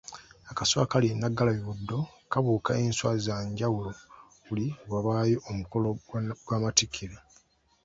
Akaswa akali e Nnaggalabi Buddo kabuuka enswa za njawulo buli lwe wabaayo omukolo gw'amatikkira.